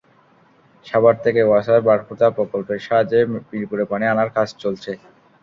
সাভার থেকে ওয়াসার ভাকুর্তা প্রকল্পের সাহায্যে মিরপুরে পানি আনার কাজ চলছে।